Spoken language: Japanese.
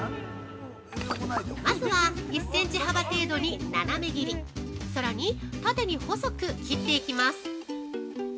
まずは１センチ幅程度に斜め切りさらに、縦に細く切っていきます。